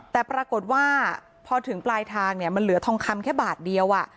แต่ปรากฏว่าพอถึงปลายทางเนี่ยมันเหลือทองคำแค่บาทเดียว